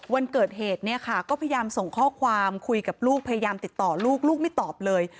วันเกิดเหตุเนี่ยค่ะก็พยายามส่งข้อความคุยกับลูกพยายามติดต่อลูกลูกไม่ตอบเลย